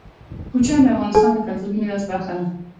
کوچیان د افغانستان د کلتوري میراث برخه ده.